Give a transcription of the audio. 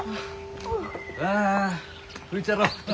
ああ拭いちゃろう。